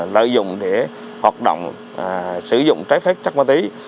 lợi dụng để hoạt động sử dụng trái phép chắc ma tí